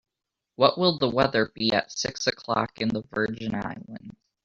What will the weather be at six o'clock in the Virgin Islands?